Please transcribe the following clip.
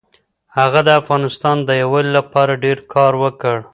هغه د افغانستان د یووالي لپاره ډېر کار وکړ.